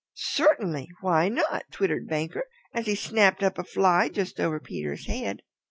"Certainly; why not?" twittered Banker as he snapped up a fly just over Peter's head.